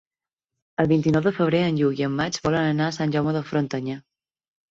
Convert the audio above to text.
El vint-i-nou de febrer en Lluc i en Max volen anar a Sant Jaume de Frontanyà.